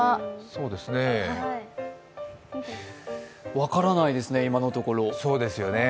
分からないですね、今のところ。